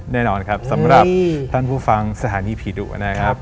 แน่นอนครับสำหรับท่านผู้ฟังสถานีผีดุนะครับ